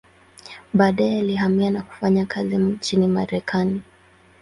Baadaye alihamia na kufanya kazi nchini Marekani.